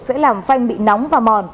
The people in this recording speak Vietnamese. sẽ làm phanh bị nóng và mòn